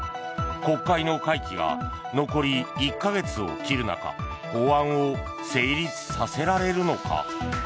国会の会期が残り１か月を切る中法案を成立させられるのか。